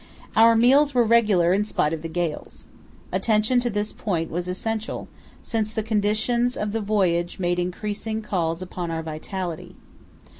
Our meals were regular in spite of the gales. Attention to this point was essential, since the conditions of the voyage made increasing calls upon our vitality.